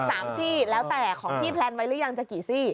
สามซี่แล้วแต่ของพี่แพลนไว้หรือยังจะกี่ซี่